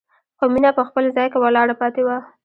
خو مينه په خپل ځای کې ولاړه پاتې وه.